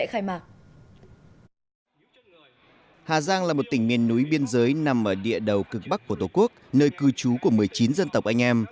hà giang là một tỉnh miền núi biên giới nằm ở địa đầu cực bắc của tổ quốc nơi cư trú của một mươi chín dân tộc anh em